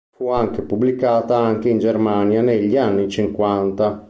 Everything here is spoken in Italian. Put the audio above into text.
Fu anche pubblicata anche in Germania negli anni cinquanta.